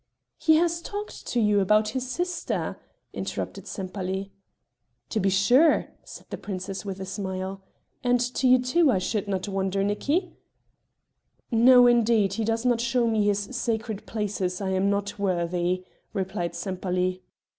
"He has talked to you about his sister?" interrupted Sempaly. "To be sure," said the princess with a smile, "and to you too, I should not wonder, Nicki?" "No indeed, he does not show me his sacred places, I am not worthy," replied Sempaly.